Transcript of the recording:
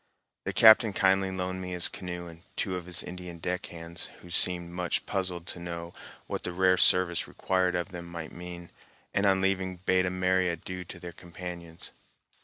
The captain kindly loaned me his canoe and two of his Indian deck hands, who seemed much puzzled to know what the rare service required of them might mean, and on leaving bade a merry adieu to their companions.